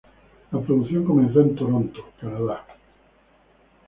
La producción comenzó en Toronto, Canadá.